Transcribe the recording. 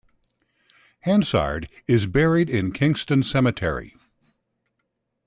Hansard is buried in Kingston Cemetery.